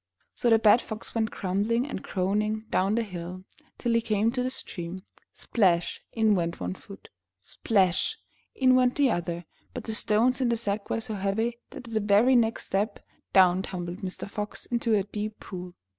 '' So the bad Fox went grumbling and groaning down the hill, till he came to the stream. Splash ! In went one foot. Splash! In went the other, but the stones in the sack were so heavy that at the very next step, down tumbled Mr. Fox into a deep pool.